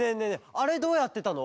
あれどうやってたの？